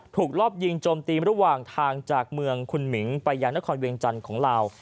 รอบยิงโจมตีระหว่างทางจากเมืองคุณหมิงไปยังนครเวียงจันทร์ของลาว